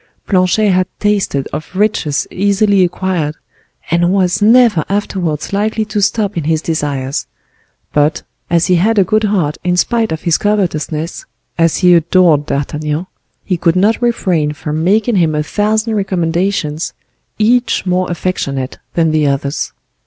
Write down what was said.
Planchet had tasted of riches easily acquired, and was never afterwards likely to stop in his desires; but, as he had a good heart in spite of his covetousness, as he adored D'Artagnan, he could not refrain from making him a thousand recommendations, each more affectionate than the others.